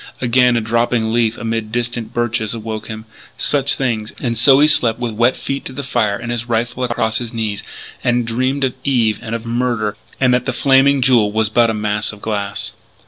Again a dropping leaf amid distant birches awoke him. Such things. And so he slept with wet feet to the fire and his rifle across his knees; and dreamed of Eve and of murder, and that the Flaming Jewel was but a mass of glass.